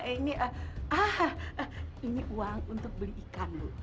ini ah ini uang untuk beli ikan bu